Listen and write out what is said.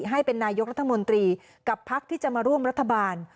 ให้เป็นนายกรัฐมนตรีกับพักที่จะมาร่วมรัฐบาล